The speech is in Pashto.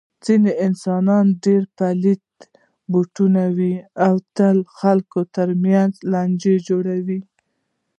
ځنې انسانان ډېر پلیت بوټی وي. تل د خلکو تر منځ لانجې جوړوي.